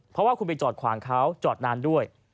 เพราะว่าคุณไปจอดขวางเขาจอดนานด้วย